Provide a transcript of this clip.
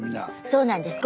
そうなんです。